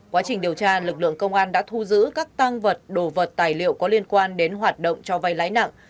quá trình điều tra lực lượng công an đã thu giữ các tăng vật đồ vật tài liệu có liên quan đến hoạt động cho vay lãi nặng